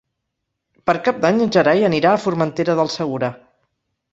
Per Cap d'Any en Gerai anirà a Formentera del Segura.